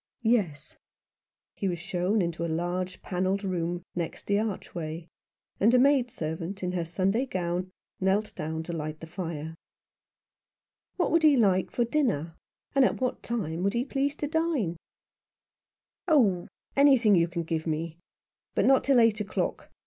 Yes. He was shown into a large panelled room next the archway, and a maid servant, in her Sunday gown, knelt down to light the fire. What would he like for dinner, and at what time would he please to dine ?" Oh, anything you can give me ; but not till eight o'clock.